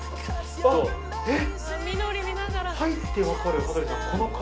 えっ！